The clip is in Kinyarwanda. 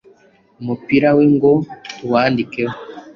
umupira we ngo tuwandikeho